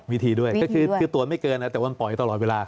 วิธีด้วยก็คือตรวจไม่เกินนะแต่ว่ามันปล่อยตลอดเวลา